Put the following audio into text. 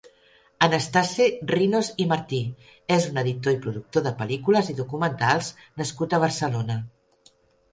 Anastasi Rinos i Martí és un editor i productor de pel·lícules i documentals nascut a Barcelona.